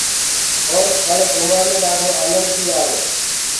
اور ٿݪ گھموا مي ڏآڍو آنند بيٚ آرو۔